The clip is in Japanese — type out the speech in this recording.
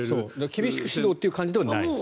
厳しく指導という感じはないですね。